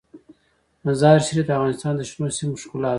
مزارشریف د افغانستان د شنو سیمو ښکلا ده.